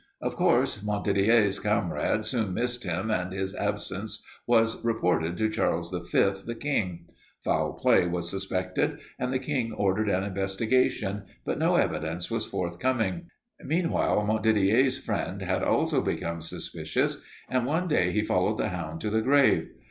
"Of course, Montdidier's comrades soon missed him and his absence was reported to Charles V, the King. Foul play was suspected and the King ordered an investigation, but no evidence was forthcoming. Meanwhile Montdidier's friend had also become suspicious and one day he followed the hound to the grave.